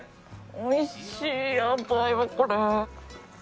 美味しいやばいわこれ。